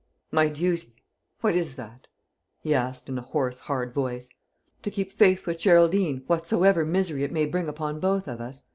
"My duty! what is that?" he asked in a hoarse hard voice. "To keep faith with Geraldine, whatsoever misery it may bring upon both of us?